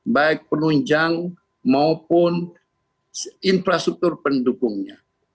baik penunjang maupun infrastruktur pendukungnya